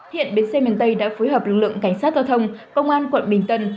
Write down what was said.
hiện bến xe miền tây đã phối hợp lực lượng cảnh sát giao thông công an quận bình tân